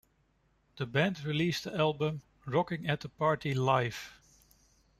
The band released the album Rocking At The Party Live!